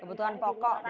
kebutuhan pokok begitu ya